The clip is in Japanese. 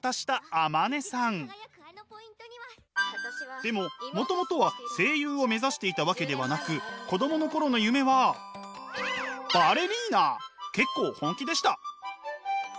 でももともとは声優を目指していたわけではなく結構本気でした。